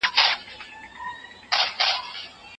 تاسي تل د ژوند په هره برخه کي پرمختګ کوئ.